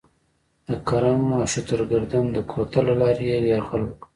د کرم او شترګردن د کوتل له لارې یې یرغل وکړ.